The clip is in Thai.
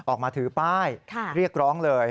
ออกมาถือป้ายเรียกร้องเลย